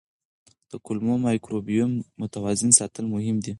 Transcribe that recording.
د کولمو مایکروبیوم متوازن ساتل مهم دي.